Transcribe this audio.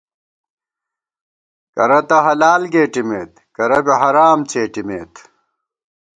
کرہ تہ حلال گېٹِمېت، کرہ بی حرام څېٹِمېت